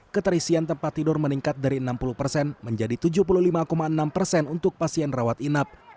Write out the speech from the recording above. keterisian tempat tidur meningkat dari enam puluh persen menjadi tujuh puluh lima enam persen untuk pasien rawat inap